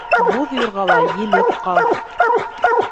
Буҙ юрғалай елеп ҡал.